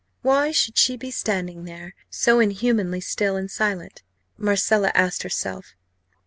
Why should she be standing there, so inhumanly still and silent? Marcella asked herself.